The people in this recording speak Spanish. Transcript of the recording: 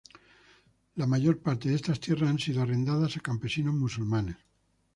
La mayor parte de estas tierras han sido arrendadas a campesinos musulmanes.